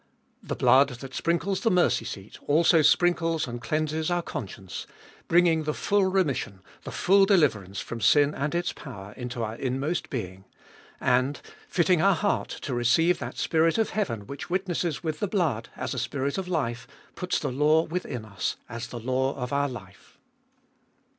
The blood that sprinkles the mercy seat also sprinkles and cleanses our conscience, bringing the full remission, the full deliverance from sin and its power, into our inmost being ; and, fitting our heart to receive that Spirit of heaven which witnesses with the blood, as a Spirit of life, puts the law within us, as the law of our life.